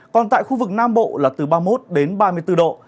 còn tại khu vực nam bộ là từ ba mươi một đến ba mươi bốn độ